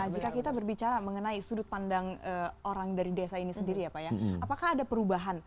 jika kita berbicara mengenai sudut pandang orang dari desa ini sendiri ya pak ya apakah ada perubahan